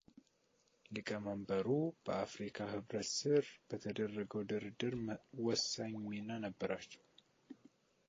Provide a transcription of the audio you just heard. ሊቀመንበሩ በአፍሪካ ኅብረት ስር በተደረገው ድርድር ወሳኝ ሚና ነበራቸው